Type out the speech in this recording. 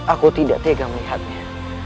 aku tidak tega melihatnya